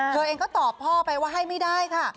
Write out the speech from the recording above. เธอเองก็ตอบพ่อไปว่าให้ไม่ได้ค่ะ